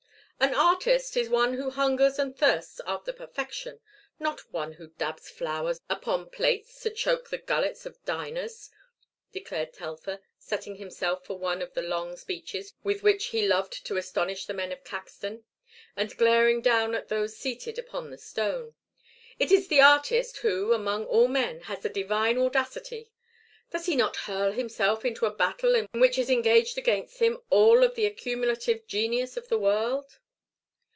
"An artist is one who hungers and thirsts after perfection, not one who dabs flowers upon plates to choke the gullets of diners," declared Telfer, setting himself for one of the long speeches with which he loved to astonish the men of Caxton, and glaring down at those seated upon the stone. "It is the artist who, among all men, has the divine audacity. Does he not hurl himself into a battle in which is engaged against him all of the accumulative genius of the world?"